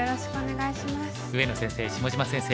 上野先生下島先生